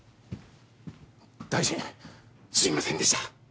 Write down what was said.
大臣すいませんでした。